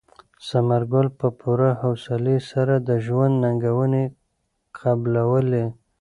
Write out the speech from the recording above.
ثمر ګل په پوره حوصلې سره د ژوند ننګونې قبلولې.